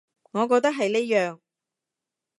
我覺得係呢樣